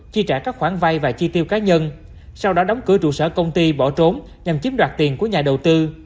chi trả các khoản vay và chi tiêu cá nhân sau đó đóng cửa trụ sở công ty bỏ trốn nhằm chiếm đoạt tiền của nhà đầu tư